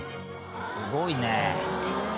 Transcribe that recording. すごいねえ。